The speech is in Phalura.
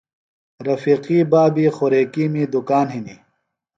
رفیقی بابی خوریکِیمی دُکان ہِنیۡ۔